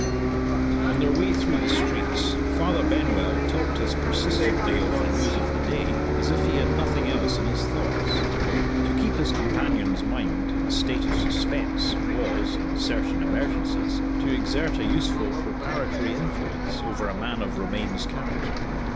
ON their way through the streets, Father Benwell talked as persistently of the news of the day as if he had nothing else in his thoughts. To keep his companion's mind in a state of suspense was, in certain emergencies, to exert a useful preparatory influence over a man of Romayne's character.